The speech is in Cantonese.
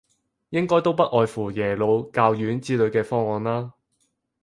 應該都不外乎耶魯、教院之類嘅方案啦